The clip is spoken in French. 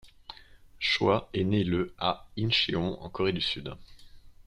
Choa est née le à Incheon en Corée du Sud.